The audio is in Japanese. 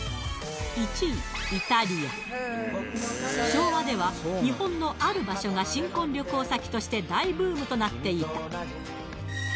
昭和では日本のある場所が新婚旅行先として大ブームとなっていた